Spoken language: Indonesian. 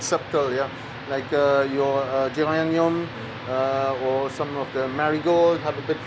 seperti geranium atau marigold ada sedikit rasa